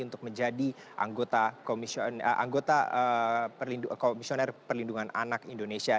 untuk menjadi anggota komisioner perlindungan anak indonesia